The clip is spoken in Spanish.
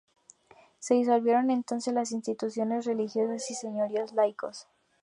Se disolvieron entonces las instituciones religiosas y señoríos laicos.